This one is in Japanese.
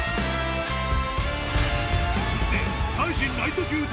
［そして］